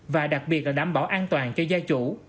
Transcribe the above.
và đặc biệt là đảm bảo an toàn cho gia chủ